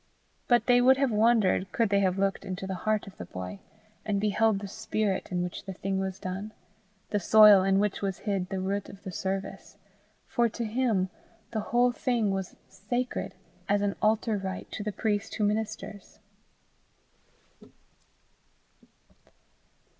But they would have wondered could they have looked into the heart of the boy, and beheld the spirit in which the thing was done, the soil in which was hid the root of the service; for to him the whole thing was sacred as an altar rite to the priest who ministers.